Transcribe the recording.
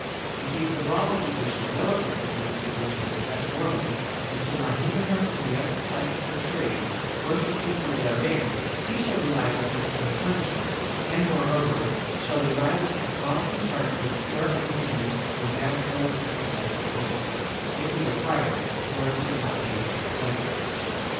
In case the brothel keeper shall know of the diseased condition of such woman, and shall not hinder her from the exercise of her trade, or shall keep her therein, he shall be liable to the same punishment, and, moreover, shall be liable to the costs and charges of cure and attendance of the man so infected by such woman, if he requires it, or if he can not pay such expenses.